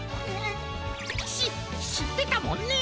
ししってたもんね。